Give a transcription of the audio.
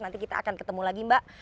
nanti kita akan ketemu lagi mbak